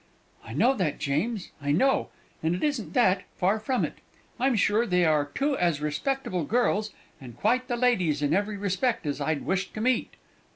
"I know that, James, I know; and it isn't that far from it. I'm sure they are two as respectable girls, and quite the ladies in every respect, as I'd wish to meet.